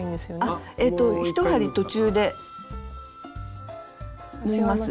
あっ１針途中で縫います。